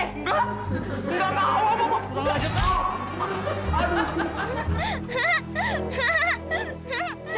enggak enggak tahu